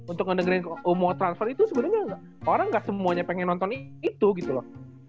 untuk ngedengerin mau transfer itu sebenarnya orang gak semuanya pengen nonton itu gitu loh